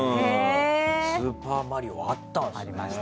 「スーパーマリオ」があったんですね。